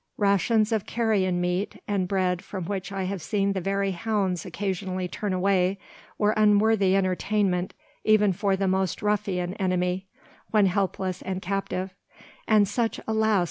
Rations of carrion meat, and bread from which I have seen the very hounds occasionally turn away, were unworthy entertainment even for the most ruffian enemy, when helpless and captive; and such, alas!